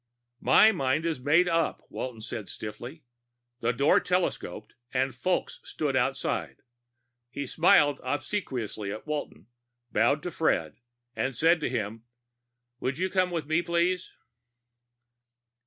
"My mind is made up," Walton said stiffly. The door telescoped and Fulks stood outside. He smiled obsequiously at Walton, bowed to Fred, and said to him, "Would you come with me, please?"